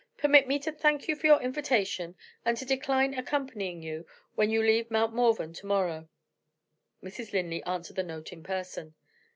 Permit me to thank you for your invitation, and to decline accompanying you when you leave Mount Morven tomorrow." Mrs. Linley answered the note in person.